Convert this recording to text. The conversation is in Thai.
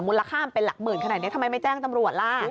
มูลค่ามันเป็นหลักหมื่นขนาดนี้ทำไมไม่แจ้งตำรวจล่ะ